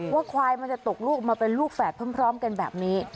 ควายมันจะตกลูกออกมาเป็นลูกแฝดพร้อมกันแบบนี้